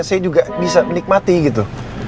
saya juga bisa menikmati gitu